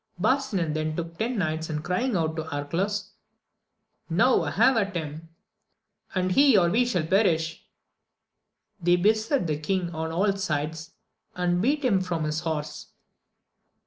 Barsinan then took ten knights, and crying out to Arcalaus, Now have at him ! and he or we shall perish ! they beset the king on all sides, and beat him from his horse.